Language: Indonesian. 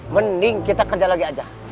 mending kita kerja lagi aja